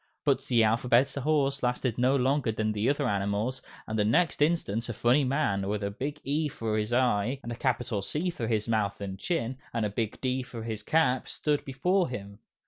But the Alphabet Horse lasted no longer than the other animals, and the next instant a funny man, with a big E for his eye and nose and a capital C for his mouth and chin, and a big D for his cap, stood before him.